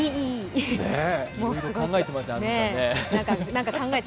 いろいろ考えてますね、安住さんね。